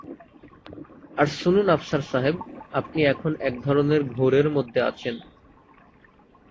আর শুনুন আফসার সাহেব, আপনি এখন এক ধরনের ঘোরের মধ্যে আছেন।